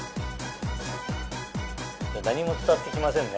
何も伝わってきませんね。